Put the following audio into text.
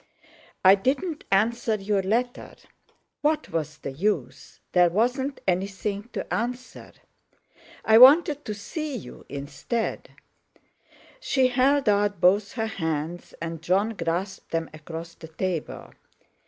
"I didn't answer your letter. What was the use—there wasn't anything to answer. I wanted to see you instead." She held out both her hands, and Jon grasped them across the table.